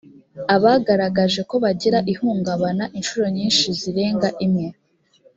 abagaragaje ko bagira ihungabana inshuro nyinshi zirenga imwe